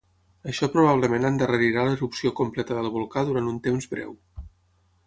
Això probablement endarrerirà l'erupció completa del volcà durant un temps breu.